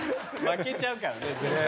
負けちゃうからね全部。